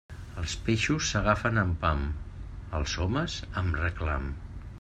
Els peixos s'agafen amb ham; els homes, amb reclam.